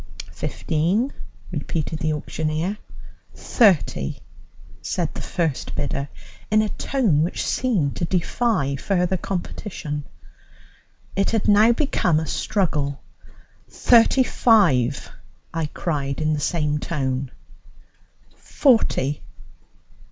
"Fifteen," repeated the auctioneer. "Thirty," said the first bidder in a tone which seemed to defy further competition. It had now become a struggle. "Thirty five," I cried in the same tone. "Forty."